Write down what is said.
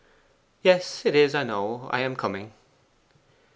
'Yes, it is, I know. I am coming.